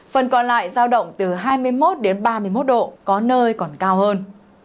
phần còn lại giao động từ hai mươi một đến ba mươi một độ có nơi còn cao hơn